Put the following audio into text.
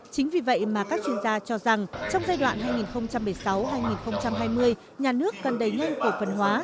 chính vì vậy mà các chuyên gia cho rằng trong giai đoạn hai nghìn một mươi sáu hai nghìn hai mươi nhà nước cần đẩy nhanh cổ phần hóa